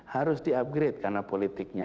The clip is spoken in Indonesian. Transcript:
harus di upgrade karena politiknya